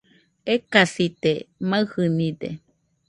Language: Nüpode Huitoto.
Ekasite, maɨjɨnide